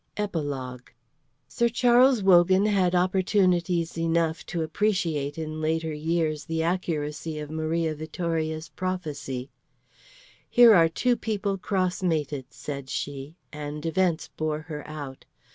EPILOGUE Sir Charles Wogan had opportunities enough to appreciate in later years the accuracy of Maria Vittoria's prophecy. "Here are two people cross mated," said she, and events bore her out.